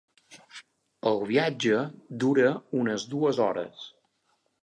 El viatge dura unes dues hores.